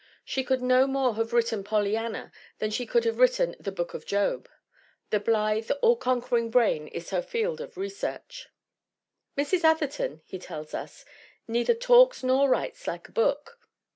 She could no more have writ ten Polly anna than she could have written the Book of Job. The blithe, all conquering brain is her field of re search." Mrs. Atherton, he tells us, neither talks nor writes "like a book."